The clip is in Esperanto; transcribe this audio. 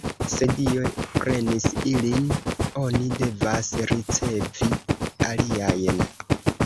Se Dio prenis ilin, oni devas ricevi aliajn.